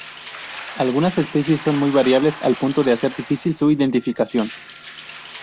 Algunas especies son muy variables al punto de hacer difícil su identificación.